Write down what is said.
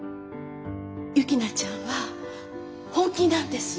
雪菜ちゃんは本気なんです！